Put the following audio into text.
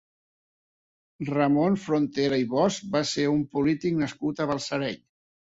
Ramon Frontera i Bosch va ser un polític nascut a Balsareny.